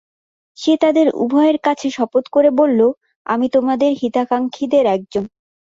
সে তাদের উভয়ের কাছে শপথ করে বলল, আমি তোমাদের হিতাকাঙক্ষীদের একজন।